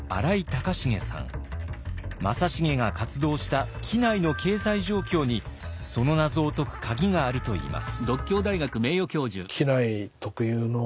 正成が活動した畿内の経済状況にその謎を解く鍵があるといいます。